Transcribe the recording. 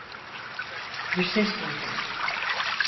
Bir ses duydum.